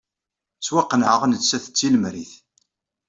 Ttwaqennɛeɣ nettat d tilemrit.